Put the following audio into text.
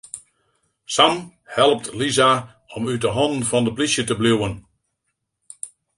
Sam helpt Lisa om út 'e hannen fan de polysje te bliuwen.